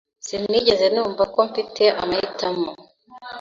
Sinigeze numva ko mfite amahitamo.